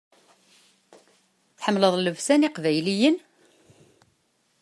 Tḥemmleḍ llebsa n yeqbayliyen?